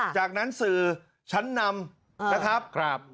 จากนั้นสื่อชั้นนำนะครับ